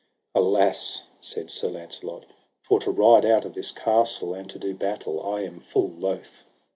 Alas, said Sir Launcelot, for to ride out of this castle, and to do battle, I am full loath.